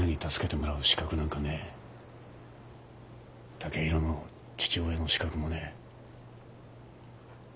剛洋の父親の資格もねえ。